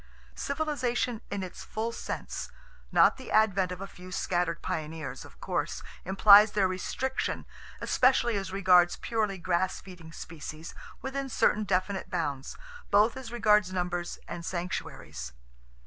Civilization in its full sense—not the advent of a few scattered pioneers—of course, implies their restriction, especially as regards purely grass feeding species, within certain definite bounds, both as regards numbers and sanctuaries.